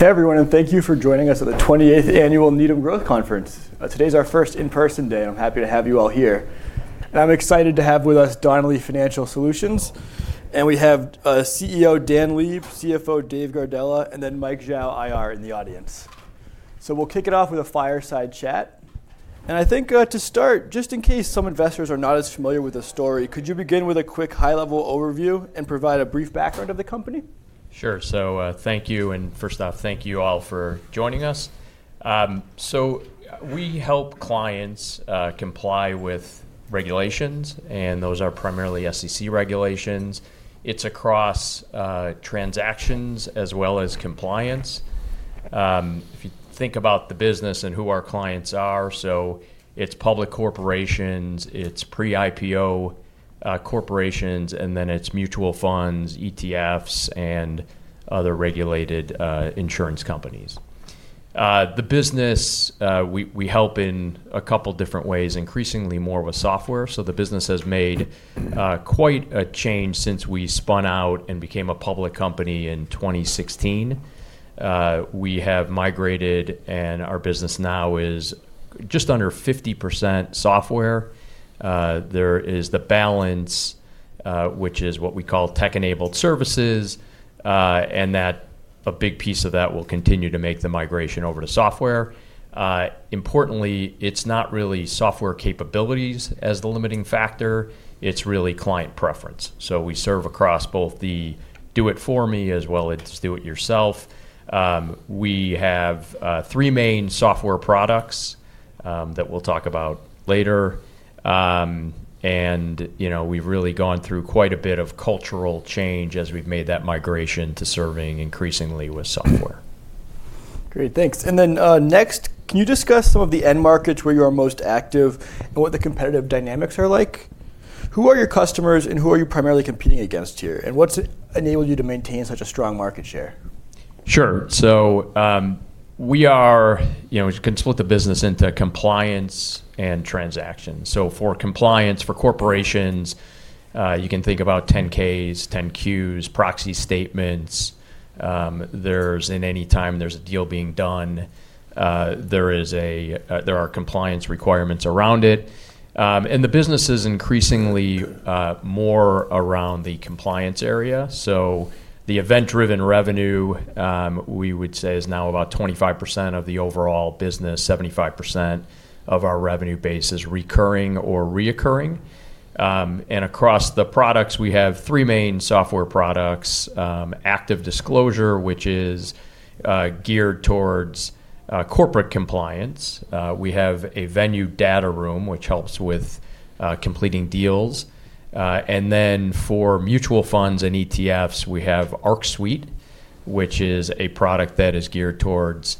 Hey, everyone, and thank you for joining us at the 28th Annual Needham Growth Conference. Today's our first in-person day, and I'm happy to have you all here. I'm excited to have with us Donnelley Financial Solutions, and we have CEO Dan Leib, CFO Dave Gardella, and then Mike Zhao, IR, in the audience, so we'll kick it off with a fireside chat, and I think to start, just in case some investors are not as familiar with the story, could you begin with a quick high-level overview and provide a brief background of the company? Sure. So thank you. And first off, thank you all for joining us. So we help clients comply with regulations, and those are primarily SEC regulations. It's across transactions as well as compliance. If you think about the business and who our clients are, so it's public corporations, it's pre-IPO corporations, and then it's mutual funds, ETFs, and other regulated insurance companies. The business, we help in a couple of different ways, increasingly more with software. So the business has made quite a change since we spun out and became a public company in 2016. We have migrated, and our business now is just under 50% software. There is the balance, which is what we call tech-enabled services, and that a big piece of that will continue to make the migration over to software. Importantly, it's not really software capabilities as the limiting factor. It's really client preference. So we serve across both the do-it-for-me as well as do-it-yourself. We have three main software products that we'll talk about later. And we've really gone through quite a bit of cultural change as we've made that migration to serving increasingly with software. Great. Thanks. And then next, can you discuss some of the end markets where you are most active and what the competitive dynamics are like? Who are your customers, and who are you primarily competing against here, and what's enabled you to maintain such a strong market share? Sure. So we can split the business into compliance and transactions. So for compliance for corporations, you can think about 10-Ks, 10-Qs, proxy statements. There's, in any time there's a deal being done, there are compliance requirements around it. And the business is increasingly more around the compliance area. So the event-driven revenue, we would say, is now about 25% of the overall business, 75% of our revenue base is recurring or reoccurring. And across the products, we have three main software products: ActiveDisclosure, which is geared towards corporate compliance. We have a Venue data room, which helps with completing deals. And then for mutual funds and ETFs, we have ArcSuite, which is a product that is geared towards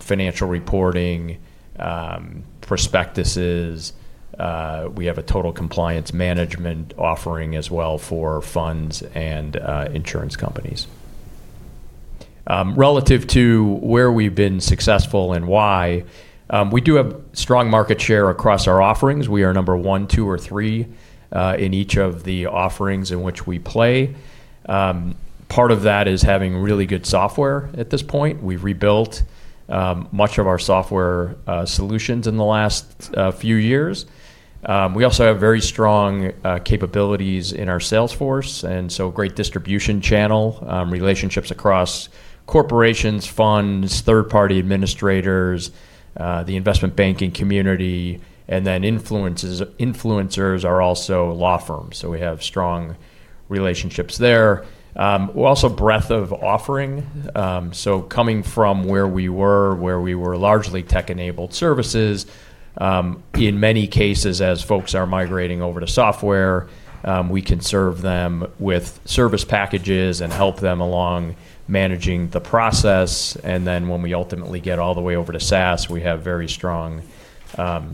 financial reporting, prospectuses. We have a total compliance management offering as well for funds and insurance companies. Relative to where we've been successful and why, we do have strong market share across our offerings. We are number one, two, or three in each of the offerings in which we play. Part of that is having really good software at this point. We've rebuilt much of our software solutions in the last few years. We also have very strong capabilities in our sales force, and so great distribution channel relationships across corporations, funds, third-party administrators, the investment banking community, and then influencers are also law firms. So we have strong relationships there. We're also breadth of offering. So coming from where we were, where we were largely Tech-Enabled Services, in many cases, as folks are migrating over to software, we can serve them with service packages and help them along managing the process. And then when we ultimately get all the way over to SaaS, we have very strong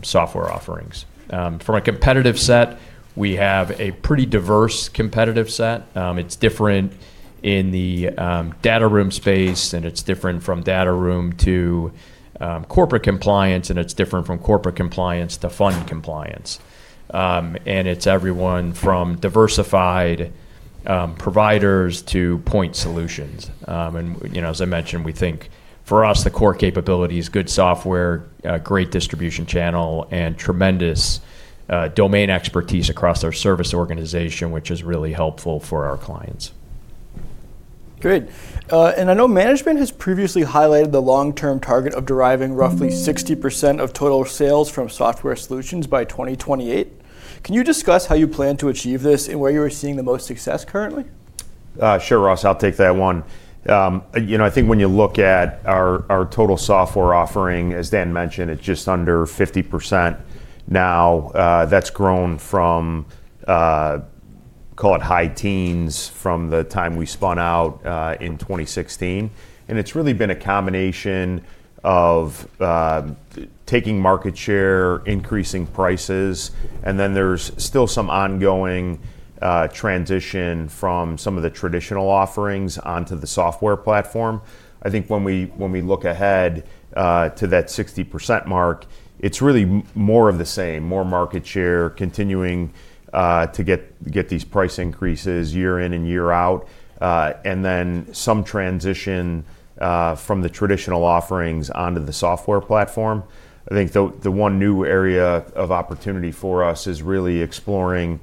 software offerings. From a competitive set, we have a pretty diverse competitive set. It's different in the data room space, and it's different from data room to corporate compliance, and it's different from corporate compliance to fund compliance. And it's everyone from diversified providers to point solutions. And as I mentioned, we think for us, the core capabilities, good software, great distribution channel, and tremendous domain expertise across our service organization, which is really helpful for our clients. Great. And I know management has previously highlighted the long-term target of deriving roughly 60% of total sales from software solutions by 2028. Can you discuss how you plan to achieve this and where you are seeing the most success currently? Sure, Ross. I'll take that one. I think when you look at our total software offering, as Dan mentioned, it's just under 50% now. That's grown from, call it high teens, from the time we spun out in 2016. And it's really been a combination of taking market share, increasing prices, and then there's still some ongoing transition from some of the traditional offerings onto the software platform. I think when we look ahead to that 60% mark, it's really more of the same, more market share, continuing to get these price increases year in and year out, and then some transition from the traditional offerings onto the software platform. I think the one new area of opportunity for us is really exploring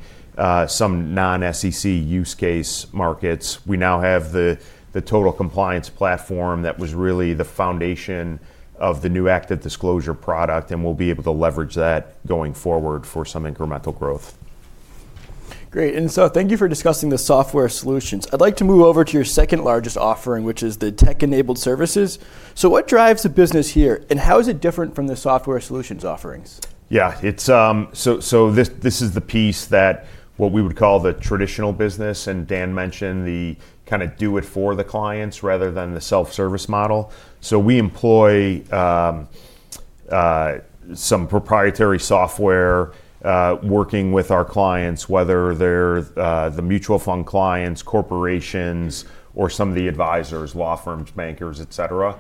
some non-SEC use case markets. We now have the total compliance platform that was really the foundation of the new ActiveDisclosure product, and we'll be able to leverage that going forward for some incremental growth. Great. And so thank you for discussing the software solutions. I'd like to move over to your second largest offering, which is the tech-enabled services. So what drives the business here, and how is it different from the software solutions offerings? Yeah. So this is the piece that what we would call the traditional business, and Dan mentioned the kind of do-it-for-the-clients rather than the self-service model. So we employ some proprietary software working with our clients, whether they're the mutual fund clients, corporations, or some of the advisors, law firms, bankers, etc.,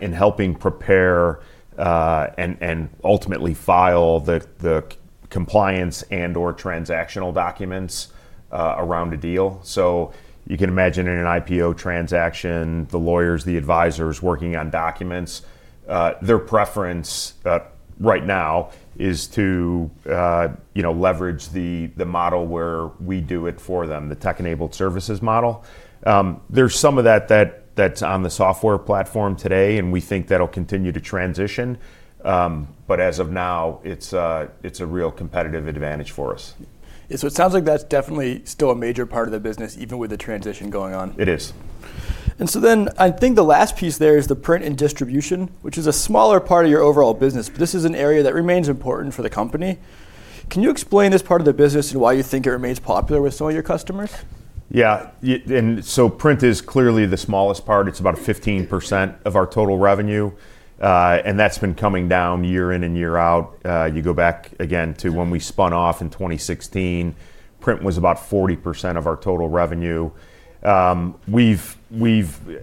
in helping prepare and ultimately file the compliance and/or transactional documents around a deal. So you can imagine in an IPO transaction, the lawyers, the advisors working on documents, their preference right now is to leverage the model where we do it for them, the tech-enabled services model. There's some of that that's on the software platform today, and we think that'll continue to transition. But as of now, it's a real competitive advantage for us. So it sounds like that's definitely still a major part of the business, even with the transition going on. It is. And so then I think the last piece there is the print and distribution, which is a smaller part of your overall business, but this is an area that remains important for the company. Can you explain this part of the business and why you think it remains popular with some of your customers? Yeah. And so print is clearly the smallest part. It's about 15% of our total revenue, and that's been coming down year in and year out. You go back again to when we spun off in 2016, print was about 40% of our total revenue. We've,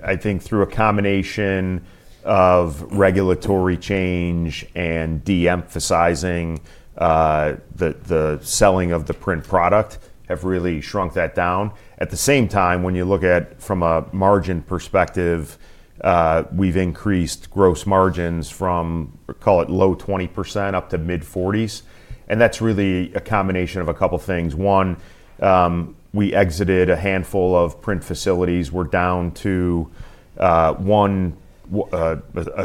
I think, through a combination of regulatory change and de-emphasizing the selling of the print product, have really shrunk that down. At the same time, when you look at from a margin perspective, we've increased gross margins from, call it, low 20% up to mid-40s%. And that's really a combination of a couple of things. One, we exited a handful of print facilities. We're down to a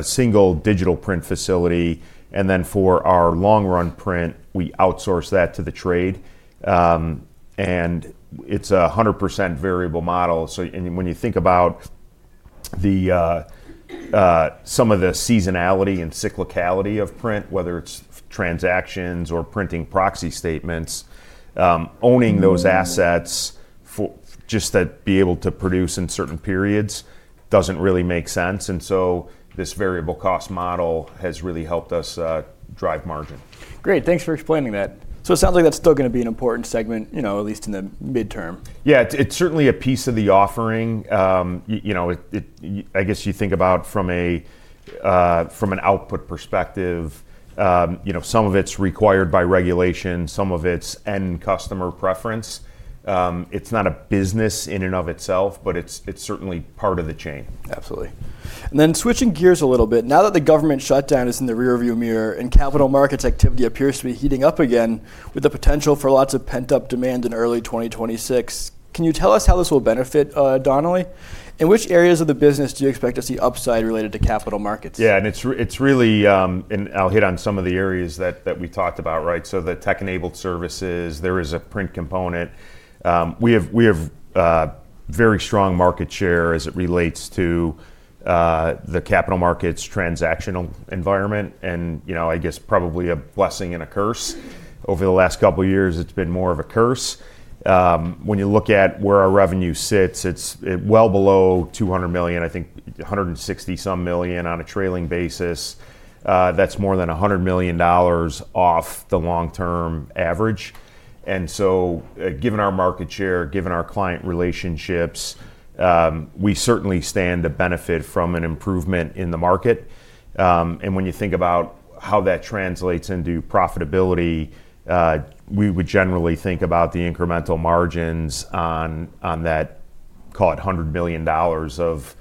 single digital print facility. And then for our long-run print, we outsource that to the trade. And it's a 100% variable model. So when you think about some of the seasonality and cyclicality of print, whether it's transactions or printing proxy statements, owning those assets just to be able to produce in certain periods doesn't really make sense. And so this variable cost model has really helped us drive margin. Great. Thanks for explaining that. So it sounds like that's still going to be an important segment, at least in the midterm. Yeah. It's certainly a piece of the offering. I guess you think about from an output perspective, some of it's required by regulation, some of it's end customer preference. It's not a business in and of itself, but it's certainly part of the chain. Absolutely, and then switching gears a little bit, now that the government shutdown is in the rearview mirror and capital markets activity appears to be heating up again with the potential for lots of pent-up demand in early 2026, can you tell us how this will benefit Donnelley, and which areas of the business do you expect to see upside related to capital markets? Yeah. And it's really, and I'll hit on some of the areas that we talked about, right? So the tech-enabled services, there is a print component. We have very strong market share as it relates to the capital markets transactional environment. And I guess probably a blessing and a curse. Over the last couple of years, it's been more of a curse. When you look at where our revenue sits, it's well below $200 million, I think $160-some million on a trailing basis. That's more than $100 million off the long-term average. And so given our market share, given our client relationships, we certainly stand to benefit from an improvement in the market. And when you think about how that translates into profitability, we would generally think about the incremental margins on that, call it $100 million of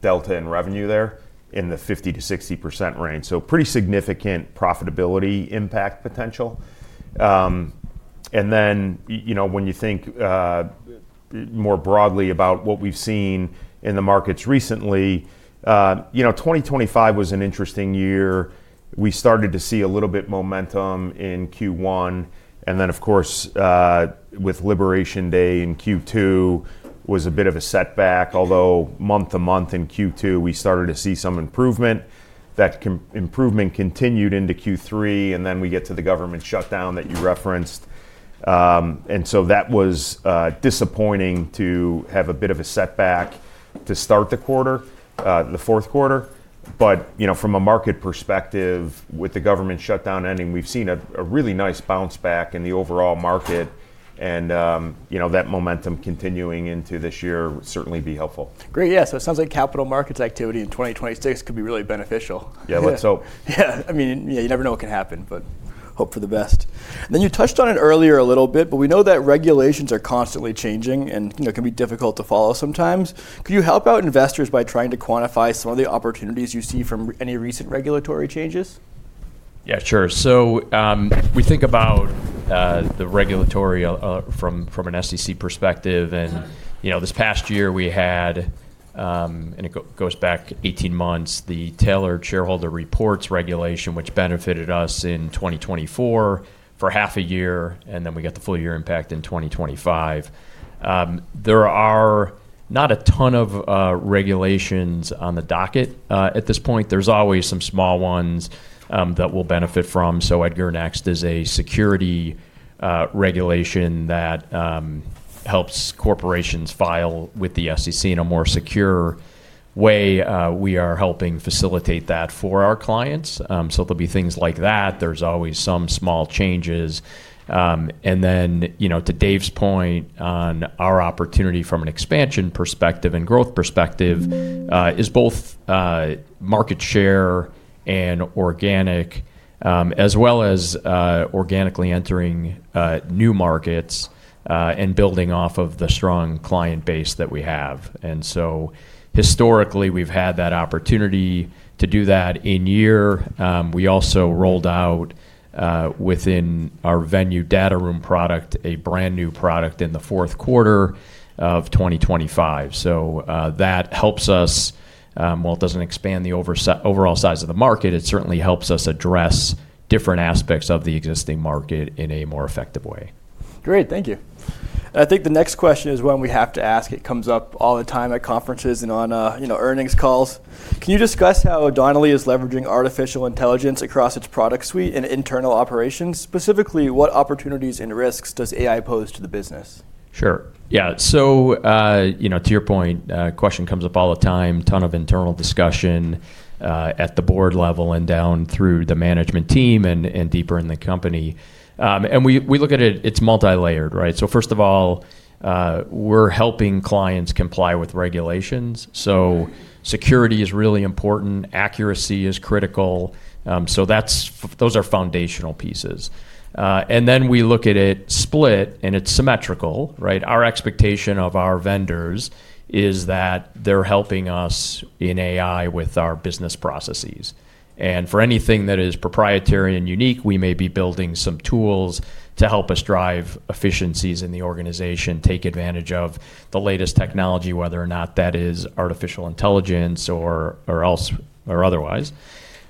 delta in revenue there in the 50%-60% range. So, pretty significant profitability impact potential. And then, when you think more broadly about what we've seen in the markets recently, 2025 was an interesting year. We started to see a little bit of momentum in Q1. And then, of course, with Liberation Day in Q2 was a bit of a setback, although month to month in Q2, we started to see some improvement. That improvement continued into Q3, and then we get to the government shutdown that you referenced. And so that was disappointing to have a bit of a setback to start the quarter, the fourth quarter. But from a market perspective, with the government shutdown ending, we've seen a really nice bounce back in the overall market. And that momentum continuing into this year would certainly be helpful. Great. Yeah, so it sounds like capital markets activity in 2026 could be really beneficial. Yeah. Let's hope. Yeah. I mean, yeah, you never know what can happen, but hope for the best and then you touched on it earlier a little bit, but we know that regulations are constantly changing and can be difficult to follow sometimes. Could you help out investors by trying to quantify some of the opportunities you see from any recent regulatory changes? Yeah, sure. So we think about the regulatory from an SEC perspective. This past year, we had, and it goes back 18 months, the Tailored Shareholder Reports regulation, which benefited us in 2024 for half a year, and then we got the full year impact in 2025. There are not a ton of regulations on the docket at this point. There's always some small ones that we'll benefit from. EDGAR Next is a security regulation that helps corporations file with the SEC in a more secure way. We are helping facilitate that for our clients. There'll be things like that. There's always some small changes. To Dave's point on our opportunity from an expansion perspective and growth perspective is both market share and organic, as well as organically entering new markets and building off of the strong client base that we have. And so historically, we've had that opportunity to do that in year. We also rolled out within our Venue data room product a brand new product in the fourth quarter of 2025. So that helps us, well, it doesn't expand the overall size of the market. It certainly helps us address different aspects of the existing market in a more effective way. Great. Thank you. I think the next question is one we have to ask. It comes up all the time at conferences and on earnings calls. Can you discuss how Donnelley is leveraging artificial intelligence across its product suite and internal operations? Specifically, what opportunities and risks does AI pose to the business? Sure. Yeah, so to your point, question comes up all the time, ton of internal discussion at the board level and down through the management team and deeper in the company, and we look at it, it's multi-layered, right?, so first of all, we're helping clients comply with regulations, so security is really important. Accuracy is critical, so those are foundational pieces, and then we look at it split, and it's symmetrical, right? Our expectation of our vendors is that they're helping us in AI with our business processes, and for anything that is proprietary and unique, we may be building some tools to help us drive efficiencies in the organization, take advantage of the latest technology, whether or not that is artificial intelligence or otherwise,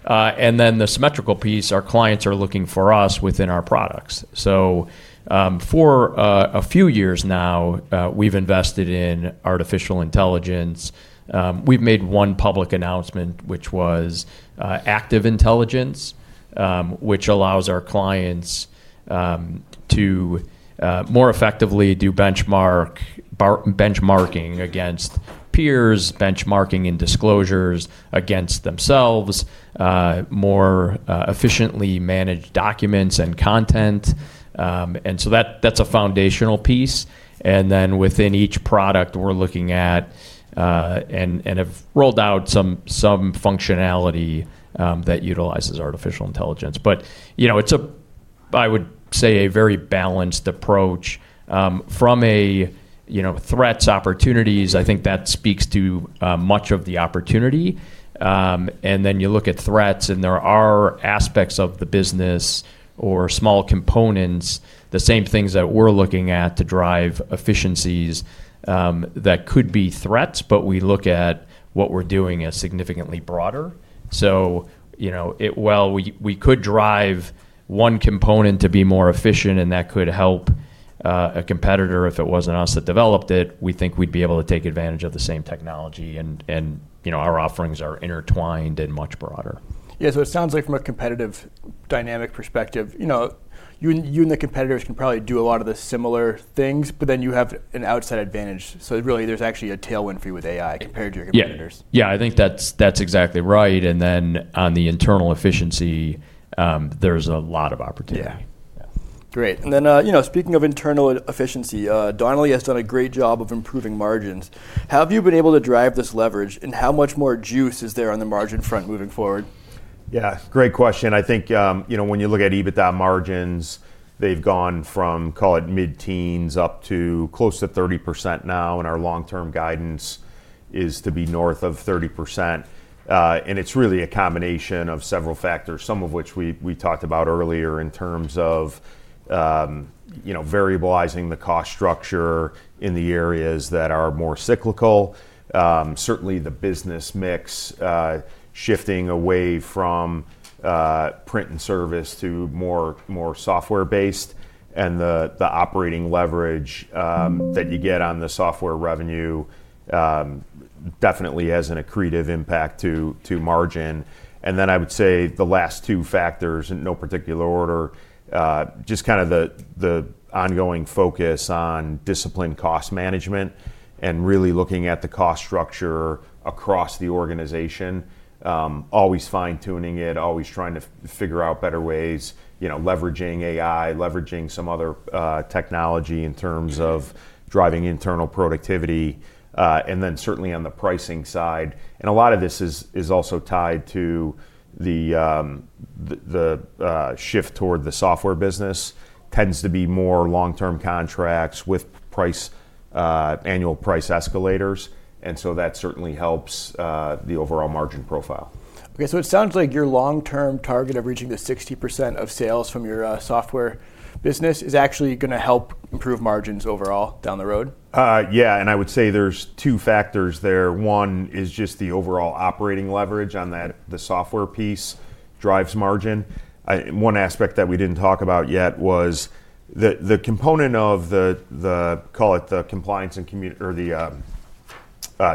and then the symmetrical piece, our clients are looking for us within our products. So for a few years now, we've invested in artificial intelligence. We've made one public announcement, which was Active Intelligence, which allows our clients to more effectively do benchmarking against peers, benchmarking and disclosures against themselves, more efficiently manage documents and content. And so that's a foundational piece. And then within each product, we're looking at and have rolled out some functionality that utilizes artificial intelligence. But it's, I would say, a very balanced approach. From threats, opportunities, I think that speaks to much of the opportunity. And then you look at threats, and there are aspects of the business or small components, the same things that we're looking at to drive efficiencies that could be threats, but we look at what we're doing as significantly broader. So while we could drive one component to be more efficient and that could help a competitor if it wasn't us that developed it, we think we'd be able to take advantage of the same technology. And our offerings are intertwined and much broader. Yeah. So it sounds like from a competitive dynamic perspective, you and the competitors can probably do a lot of the similar things, but then you have an outside advantage. So really, there's actually a tailwind for you with AI compared to your competitors. Yeah. I think that's exactly right, and then on the internal efficiency, there's a lot of opportunity. Yeah. Great. And then speaking of internal efficiency, Donnelley has done a great job of improving margins. How have you been able to drive this leverage, and how much more juice is there on the margin front moving forward? Yeah. Great question. I think when you look at EBITDA margins, they've gone from, call it mid-teens, up to close to 30% now, and our long-term guidance is to be north of 30%, and it's really a combination of several factors, some of which we talked about earlier in terms of variabilizing the cost structure in the areas that are more cyclical. Certainly, the business mix shifting away from print and service to more software-based, and the operating leverage that you get on the software revenue definitely has an accretive impact to margin, and then I would say the last two factors, in no particular order, just kind of the ongoing focus on disciplined cost management and really looking at the cost structure across the organization, always fine-tuning it, always trying to figure out better ways, leveraging AI, leveraging some other technology in terms of driving internal productivity. And then certainly on the pricing side. And a lot of this is also tied to the shift toward the software business. Tends to be more long-term contracts with annual price escalators. And so that certainly helps the overall margin profile. Okay, so it sounds like your long-term target of reaching the 60% of sales from your software business is actually going to help improve margins overall down the road. Yeah. And I would say there are two factors there. One is just the overall operating leverage on the software piece drives margin. One aspect that we didn't talk about yet was the component of the, call it the compliance and or the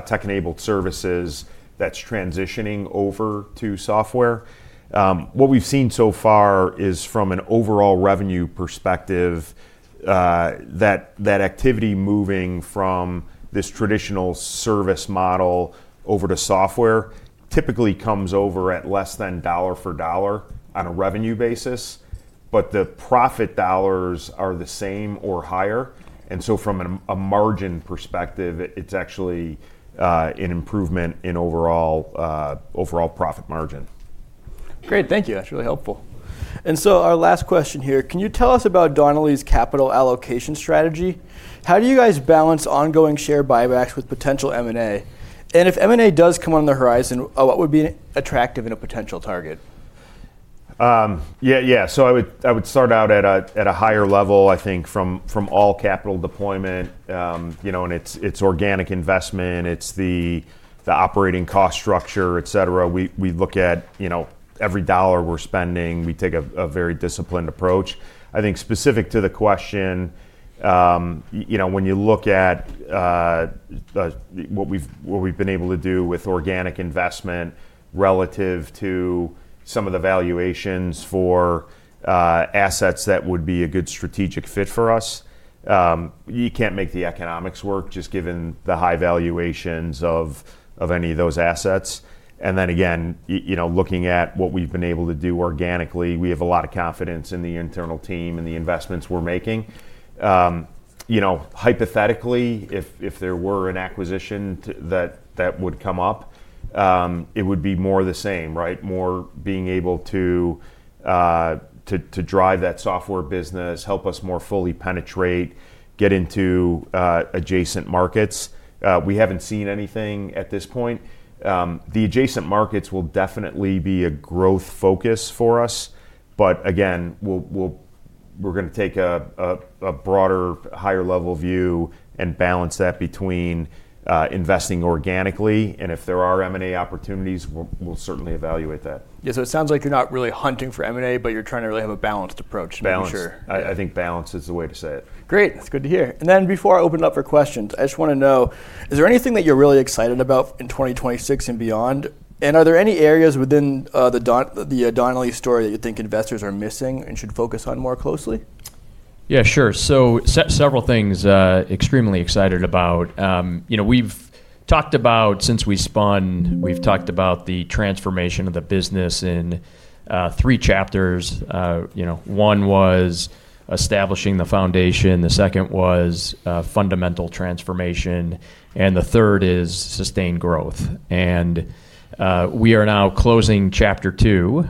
tech-enabled services that's transitioning over to software. What we've seen so far is from an overall revenue perspective that activity moving from this traditional service model over to software typically comes over at less than dollar for dollar on a revenue basis. But the profit dollars are the same or higher. And so from a margin perspective, it's actually an improvement in overall profit margin. Great. Thank you. That's really helpful. And so our last question here, can you tell us about Donnelley's capital allocation strategy? How do you guys balance ongoing share buybacks with potential M&A? And if M&A does come on the horizon, what would be attractive in a potential target? Yeah. Yeah. So I would start out at a higher level, I think, from all capital deployment. And it's organic investment. It's the operating cost structure, etc. We look at every dollar we're spending. We take a very disciplined approach. I think specific to the question, when you look at what we've been able to do with organic investment relative to some of the valuations for assets that would be a good strategic fit for us, you can't make the economics work just given the high valuations of any of those assets. And then again, looking at what we've been able to do organically, we have a lot of confidence in the internal team and the investments we're making. Hypothetically, if there were an acquisition that would come up, it would be more the same, right? More being able to drive that software business, help us more fully penetrate, get into adjacent markets. We haven't seen anything at this point. The adjacent markets will definitely be a growth focus for us. But again, we're going to take a broader, higher-level view and balance that between investing organically, and if there are M&A opportunities, we'll certainly evaluate that. Yeah. So it sounds like you're not really hunting for M&A, but you're trying to really have a balanced approach to make sure. Balanced. I think balance is the way to say it. Great. That's good to hear. And then before I open up for questions, I just want to know, is there anything that you're really excited about in 2026 and beyond? And are there any areas within the Donnelley story that you think investors are missing and should focus on more closely? Yeah, sure. So several things extremely excited about. We've talked about, since we spun, we've talked about the transformation of the business in three chapters. One was establishing the foundation. The second was fundamental transformation. And the third is sustained growth. And we are now closing chapter two,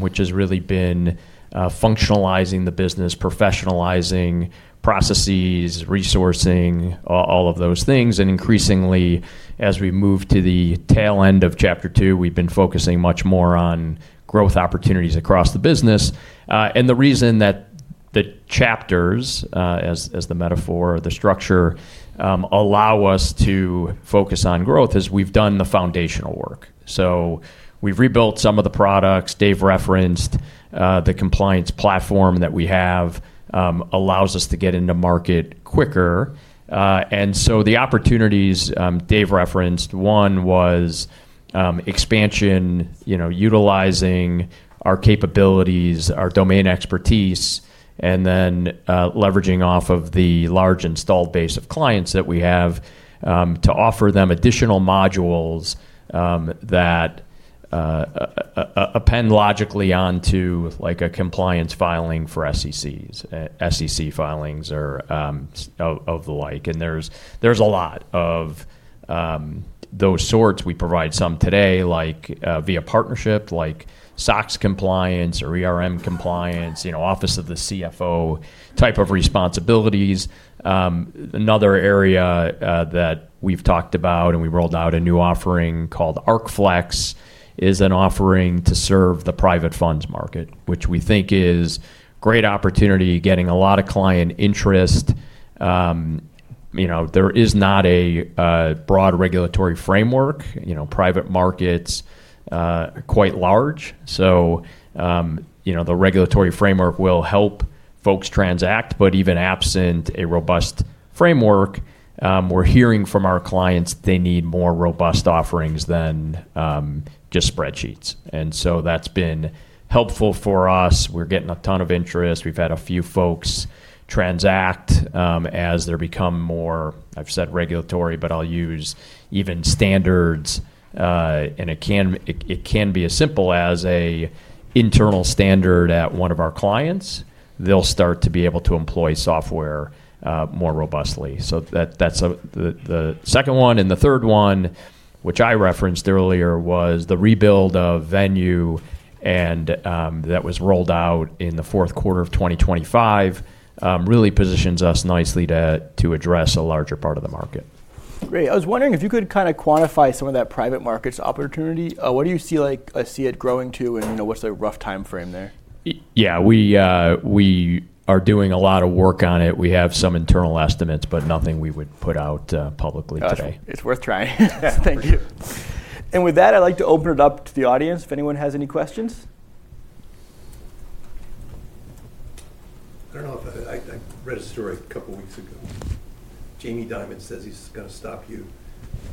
which has really been functionalizing the business, professionalizing processes, resourcing, all of those things. And increasingly, as we move to the tail end of chapter two, we've been focusing much more on growth opportunities across the business. And the reason that the chapters, as the metaphor, the structure allow us to focus on growth is we've done the foundational work. So we've rebuilt some of the products. Dave referenced the compliance platform that we have allows us to get into market quicker. And so the opportunities Dave referenced, one was expansion, utilizing our capabilities, our domain expertise, and then leveraging off of the large installed base of clients that we have to offer them additional modules that append logically onto a compliance filing for SEC's, SEC filings, or of the like. And there's a lot of those sorts. We provide some today, like via partnership, like SOX compliance or compliance, Office of the CFO type of responsibilities. Another area that we've talked about and we rolled out a new offering called ArcFlex is an offering to serve the private funds market, which we think is a great opportunity getting a lot of client interest. There is not a broad regulatory framework. Private markets are quite large. So the regulatory framework will help folks transact. Even absent a robust framework, we're hearing from our clients they need more robust offerings than just spreadsheets. And so that's been helpful for us. We're getting a ton of interest. We've had a few folks transact as they're becoming more. I've said regulatory, but I'll use even standards. And it can be as simple as an internal standard at one of our clients. They'll start to be able to employ software more robustly. So that's the second one. And the third one, which I referenced earlier, was the rebuild of Venue that was rolled out in the fourth quarter of 2025. It really positions us nicely to address a larger part of the market. Great. I was wondering if you could kind of quantify some of that private markets opportunity. What do you see it growing to, and what's the rough timeframe there? Yeah. We are doing a lot of work on it. We have some internal estimates, but nothing we would put out publicly today. Gotcha. It's worth trying. Thank you. And with that, I'd like to open it up to the audience if anyone has any questions. I don't know if I read a story a couple of weeks ago. Jamie Dimon says he's going to stop you.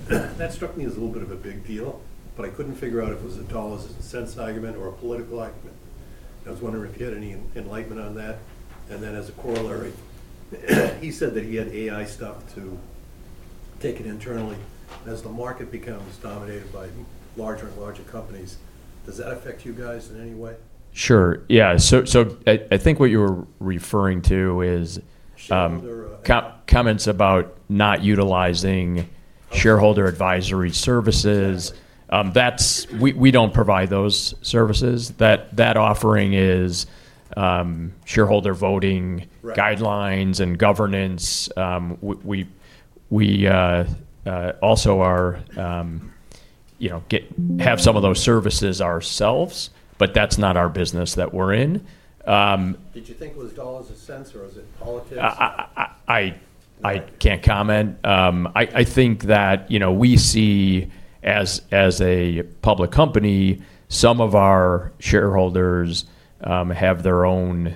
That struck me as a little bit of a big deal, but I couldn't figure out if it was a dollars and cents argument or a political argument. I was wondering if you had any enlightenment on that, and then as a corollary, he said that he had AI stuff to take it internally. As the market becomes dominated by larger and larger companies, does that affect you guys in any way? Sure. Yeah. So I think what you were referring to is comments about not utilizing shareholder advisory services. We don't provide those services. That offering is shareholder voting guidelines and governance. We also have some of those services ourselves, but that's not our business that we're in. Did you think it was tall as a censor, or is it politics? I can't comment. I think that we see as a public company, some of our shareholders have their own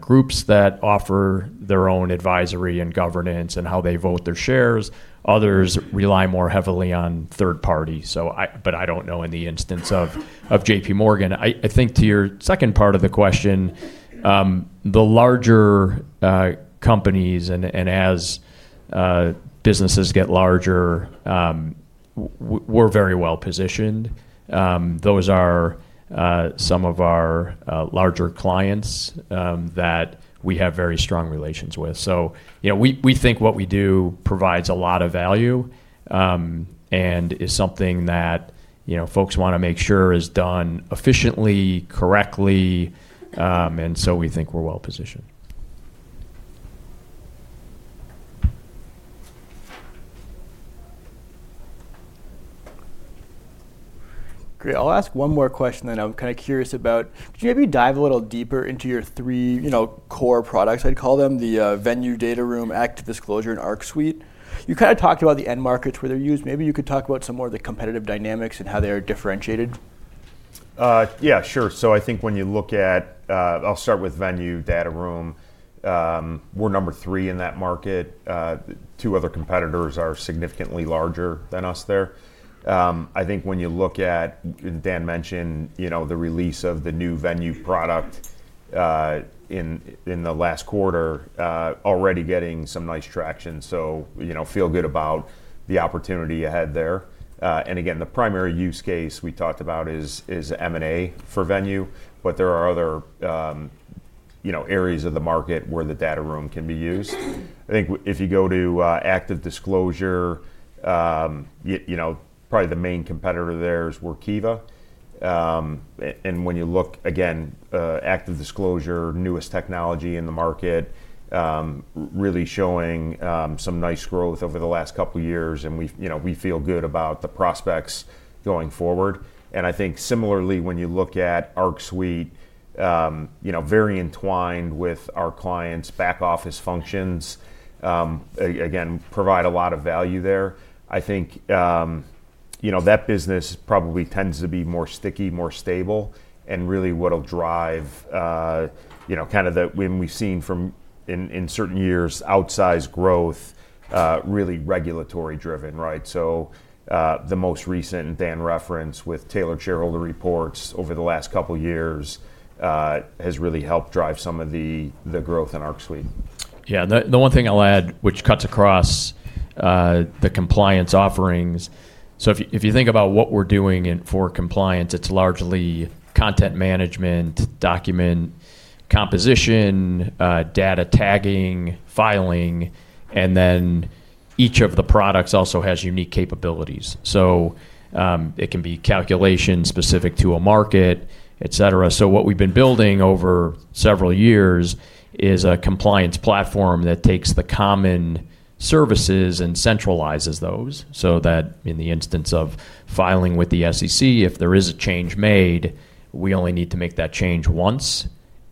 groups that offer their own advisory and governance and how they vote their shares. Others rely more heavily on third parties. But I don't know in the instance of JP Morgan. I think to your second part of the question, the larger companies and as businesses get larger, we're very well positioned. Those are some of our larger clients that we have very strong relations with. So we think what we do provides a lot of value and is something that folks want to make sure is done efficiently, correctly. And so we think we're well positioned. Great. I'll ask one more question that I'm kind of curious about. Could you maybe dive a little deeper into your three core products, I'd call them, the Venue data room, ActiveDisclosure, and ArcSuite? You kind of talked about the end markets where they're used. Maybe you could talk about some more of the competitive dynamics and how they are differentiated. Yeah, sure. So I think when you look at, I'll start with Venue data room. We're number three in that market. Two other competitors are significantly larger than us there. I think when you look at, and Dan mentioned, the release of the new Venue product in the last quarter, already getting some nice traction. So feel good about the opportunity ahead there. And again, the primary use case we talked about is M&A for Venue. But there are other areas of the market where the data room can be used. I think if you go to ActiveDisclosure, probably the main competitor there is Workiva. And when you look, again, ActiveDisclosure, newest technology in the market, really showing some nice growth over the last couple of years. And we feel good about the prospects going forward. And I think similarly, when you look at ArcSuite, very entwined with our clients' back office functions, again, provide a lot of value there. I think that business probably tends to be more sticky, more stable, and really what will drive kind of that when we've seen in certain years outsized growth, really regulatory driven, right? So the most recent Dan reference with Tailored Shareholder Reports over the last couple of years has really helped drive some of the growth in ArcSuite. Yeah. The one thing I'll add, which cuts across the compliance offerings, so if you think about what we're doing for compliance, it's largely content management, document composition, data tagging, filing, and then each of the products also has unique capabilities. So it can be calculations specific to a market, etc. So what we've been building over several years is a compliance platform that takes the common services and centralizes those so that in the instance of filing with the SEC, if there is a change made, we only need to make that change once.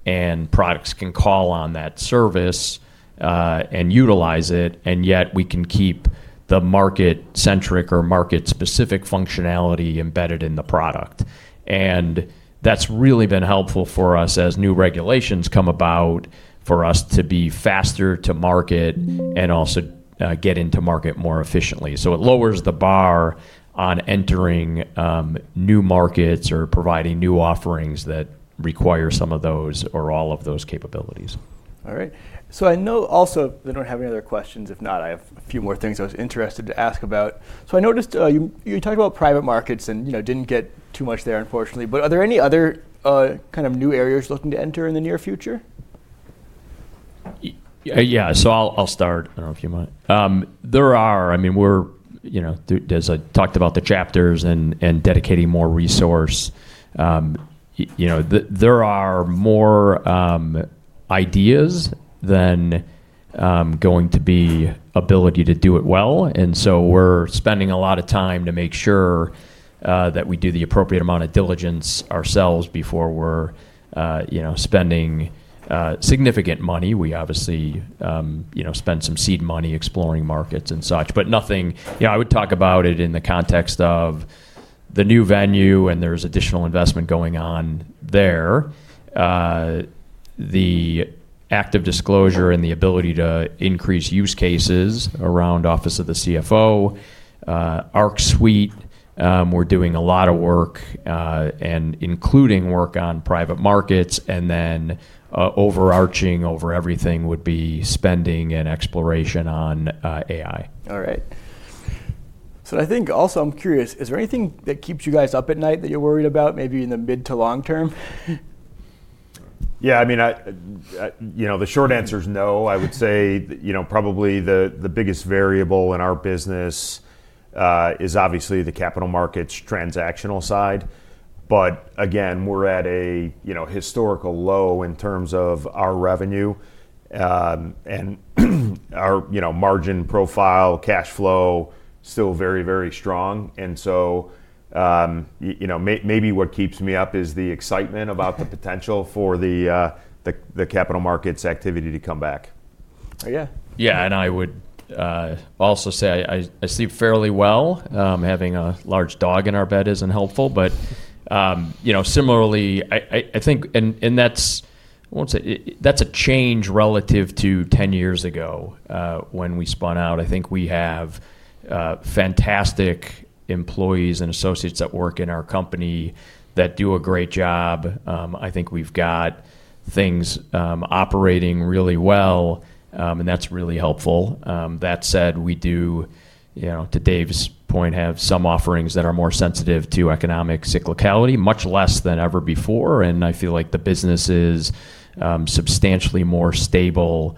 And products can call on that service and utilize it. And yet we can keep the market-centric or market-specific functionality embedded in the product. And that's really been helpful for us as new regulations come about for us to be faster to market and also get into market more efficiently. So it lowers the bar on entering new markets or providing new offerings that require some of those or all of those capabilities. All right, so I know also we don't have any other questions. If not, I have a few more things I was interested to ask about, so I noticed you talked about private markets and didn't get too much there, unfortunately, but are there any other kind of new areas looking to enter in the near future? Yeah. So I'll start, if you mind. There are. I mean, as I talked about the chapters and dedicating more resource, there are more ideas than going to be ability to do it well. And so we're spending a lot of time to make sure that we do the appropriate amount of diligence ourselves before we're spending significant money. We obviously spend some seed money exploring markets and such. But nothing I would talk about it in the context of the new Venue and there's additional investment going on there. The ActiveDisclosure and the ability to increase use cases around Office of the CFO, ArcSuite, we're doing a lot of work and including work on private markets. And then overarching over everything would be spending and exploration on AI. All right. So I think also I'm curious, is there anything that keeps you guys up at night that you're worried about, maybe in the mid to long term? Yeah. I mean, the short answer is no. I would say probably the biggest variable in our business is obviously the capital markets transactional side. But again, we're at a historical low in terms of our revenue and our margin profile, cash flow still very, very strong. And so maybe what keeps me up is the excitement about the potential for the capital markets activity to come back. Yeah. Yeah. And I would also say I sleep fairly well. Having a large dog in our bed isn't helpful. But similarly, I think, and that's a change re lative to 10 years ago when we spun out. I think we have fantastic employees and associates that work in our company that do a great job. I think we've got things operating really well. And that's really helpful. That said, we do, to Dave's point, have some offerings that are more sensitive to economic cyclicality, much less than ever before. And I feel like the business is substantially more stable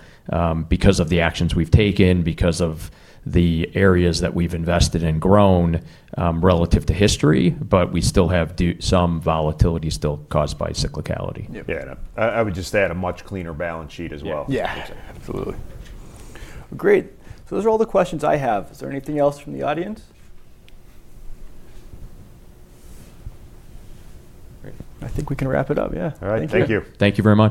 because of the actions we've taken, because of the areas that we've invested and grown relative to history. But we still have some volatility still caused by cyclicality. Yeah. I would just add a much cleaner balance sheet as well. Yeah. Absolutely. Great. So those are all the questions I have. Is there anything else from the audience? Great. I think we can wrap it up. Yeah. All right. Thank you. Thank you very much.